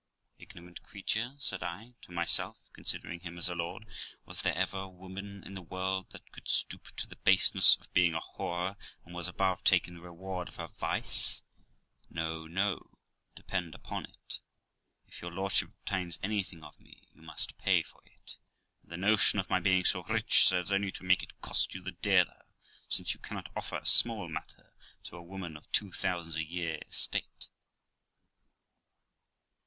'Ignorant creature?' said I to myself, considering him as a lord, 'was there ever woman in the world that could stoop to the baseness of being a whore, and was above taking the reward of her vice ! No, no, depend upon it, if your lordship obtains anything of me, you must pay for it ; and the notion of my being so rich serves only to make it cost you the dearer, seeing you cannot offer a small matter to a woman of 2000 a year estate.'